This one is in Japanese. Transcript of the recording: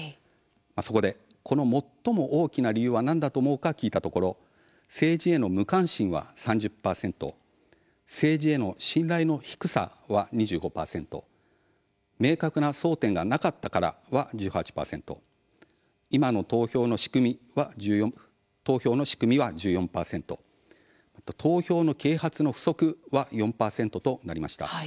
そこで、この最も大きな理由は何だと思うか聞いたところ政治への無関心は３０％政治への信頼の低さは２５％明確な争点がなかったからは１８％今の投票の仕組みは１４％投票の啓発の不足は４％となりました。